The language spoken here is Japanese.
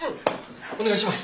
お願いします。